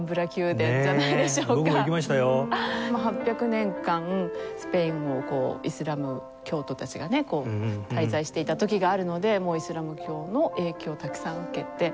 ８００年間スペインをイスラム教徒たちがね滞在していた時があるのでイスラム教の影響をたくさん受けて。